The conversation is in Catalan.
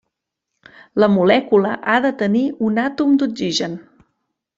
La molècula ha de tenir un àtom d'oxigen.